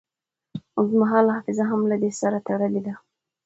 اوږدمهاله حافظه هم له دې سره تړلې ده.